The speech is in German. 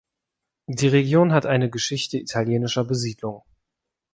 Die Region hat eine Geschichte italienischer Besiedlung.